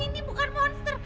ini bukan monster